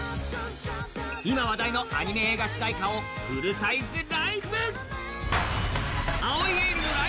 今話題のアニメ映画主題歌をフルサイズ披露。